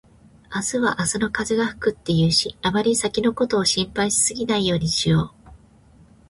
「明日は明日の風が吹く」って言うし、あまり先のことを心配しすぎないようにしよう。